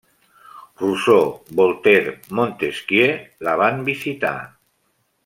Rousseau, Voltaire, Montesquieu la van visitar.